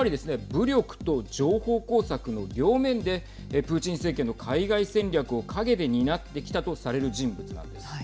武力と情報工作の両面でプーチン政権の海外戦略を影で担ってきたとされる人物なんです。